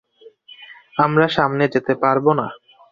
আমরা সামনে যেতে পারব না।